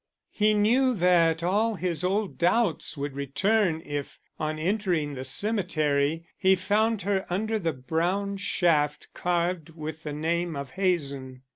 He knew that all his old doubts would return if, on entering the cemetery, he found her under the brown shaft carved with the name of Hazen.